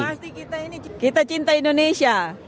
pasti kita ini kita cinta indonesia